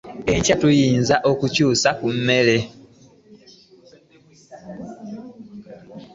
Enkya tuyinza okukyusa ku mmere.